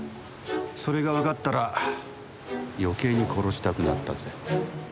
それがわかったら余計に殺したくなったぜ。